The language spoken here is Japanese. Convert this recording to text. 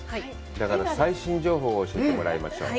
だから、最新情報を教えてもらいましょう。